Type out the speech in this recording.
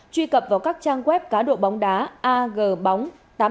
truy cập vào các trang web cá độ bóng đá ag bóng